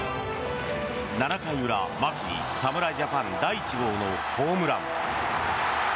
７回裏、牧に侍ジャパン第１号のホームラン。